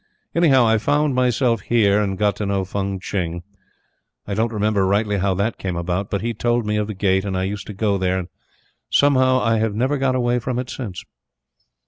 Anyhow, I found myself here, and got to know Fung Tching. I don't remember rightly how that came about; but he told me of the Gate and I used to go there, and, somehow, I have never got away from it since.